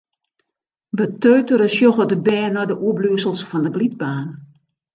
Beteutere sjogge de bern nei de oerbliuwsels fan de glydbaan.